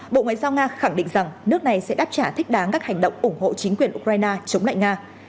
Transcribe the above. bộ ngoại giao nga khẳng định rằng nước này sẽ đáp trả thích đáng các hành động ủng hộ chính quyền ukraine chống lại nga